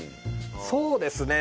そうですね。